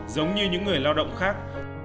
giống như những người lao động khác